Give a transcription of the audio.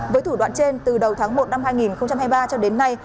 với thủ đoạn trên từ đầu tháng một năm hai nghìn hai mươi ba cho đến nay